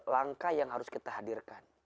langkah yang harus kita hadirkan